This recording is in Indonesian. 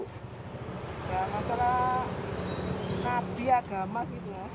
nggak masalah nabi agama gitu mas